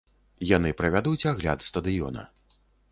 Яны правядуць агляд стадыёна.